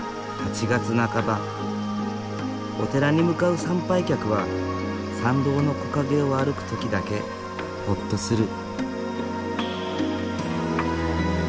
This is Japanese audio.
８月半ばお寺に向かう参拝客は参道の木陰を歩く時だけホッとする。